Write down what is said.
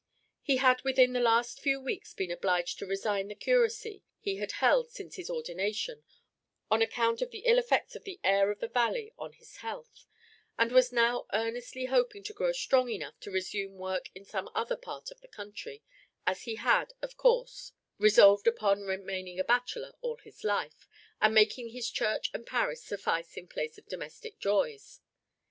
He had within the last few weeks been obliged to resign the curacy he had held since his ordination, on account of the ill effects of the air of the valley on his health; and was now earnestly hoping to grow strong enough to resume work in some other part of the country, as he had, of course, resolved upon remaining a bachelor all his life, and making his church and parish suffice in place of domestic joys.